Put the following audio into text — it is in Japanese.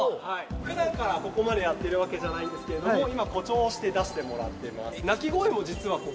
普段からここまでやってるわけじゃないんですけれども今誇張して出してもらってます